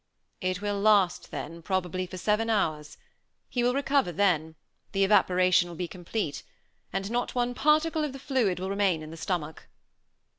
"It will last, then, probably for seven hours. He will recover then; the evaporation will be complete, and not one particle of the fluid will remain in the stomach."